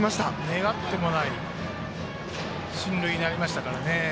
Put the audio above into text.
願ってもない進塁になりましたね。